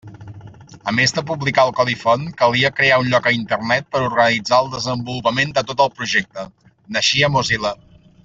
A més de publicar el codi font calia crear un lloc a Internet per organitzar el desenvolupament de tot el projecte: naixia Mozilla.